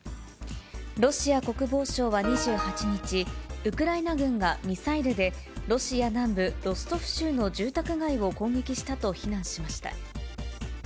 ロシア国防省は２８日、ウクライナ軍がミサイルで、ロシア南部ロストフ州の住宅街を攻撃したと非難しました。